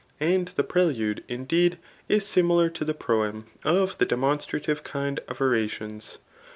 And the prelude, indeed, is similar to the proem of the demonstrative kind of orations.